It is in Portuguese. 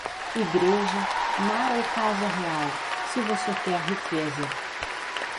Igreja, mar ou casa real, se você quer riqueza.